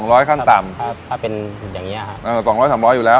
๒๐๐บาทขั้นต่ำถ้าเป็นอย่างนี้ค่ะ๒๐๐๓๐๐บาทอยู่แล้ว